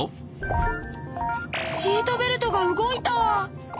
シートベルトが動いた！